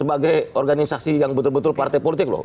sebagai organisasi yang betul betul partai politik loh